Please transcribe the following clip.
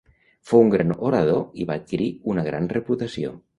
Fou un gran orador i va adquirir una gran reputació.